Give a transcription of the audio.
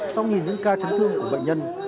sau nghìn những ca chấn thương của bệnh nhân